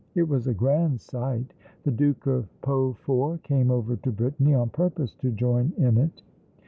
It was a grand sight. The Duke of Peaufort came over to Brittany on purpose to join in it."